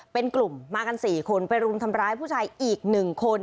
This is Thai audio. เป็นกลุ่มมากัน๔คนไปรุมทำร้ายผู้ชายอีก๑คน